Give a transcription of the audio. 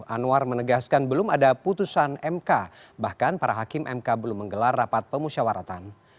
anwar menegaskan belum ada putusan mk bahkan para hakim mk belum menggelar rapat pemusyawaratan